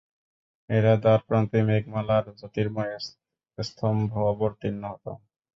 এটার দ্বারপ্রান্তেই মেঘমালার জ্যোতির্ময় স্তম্ভ অবতীর্ণ হত।